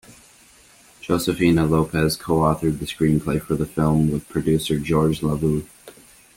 Josefina Lopez co-authored the screenplay for the film with producer George LaVoo.